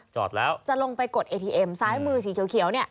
จอดแล้วจะลงไปกดเอทีเอ็มซ้ายมือสีเขียวเนี่ย